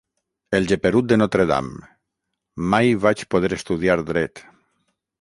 El geperut de Notre-Dame: mai vaig poder estudiar Dret.